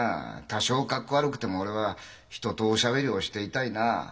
多少かっこ悪くても俺は人とおしゃべりをしていたいな。